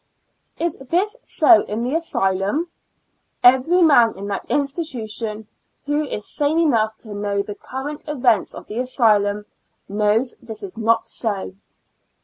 Is this so in the asylum ? Every man in that institution, who is sane enough to know the current events of the asylum, knows this is not so.